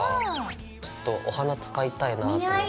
ちょっとお花使いたいなと思って。